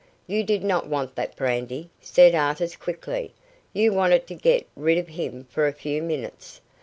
"You did not want that brandy," said Artis quickly. "You wanted to get rid of him for a few minutes.